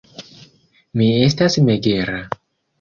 Mi estas megera.